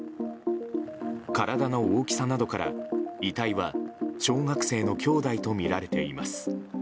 体の大きさなどから遺体は小学生の兄弟とみられています。